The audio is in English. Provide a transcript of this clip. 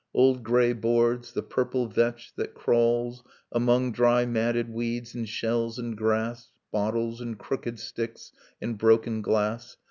Old grey boards, the purple vetch that crawls Among dry matted weeds and shells and grass, Bottles, and crooked sticks, and broken glass.